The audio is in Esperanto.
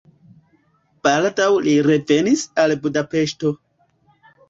Baldaŭ li revenis al Budapeŝto.